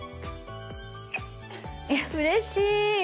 いやうれしい。